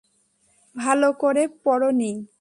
ভালো করে পড়ো নি?